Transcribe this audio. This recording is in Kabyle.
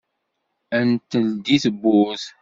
Ad d-teldi tewwurt.